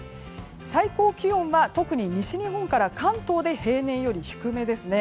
最高気温は特に西日本から関東で平年より低めですね。